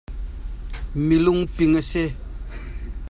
Mi lungping a si.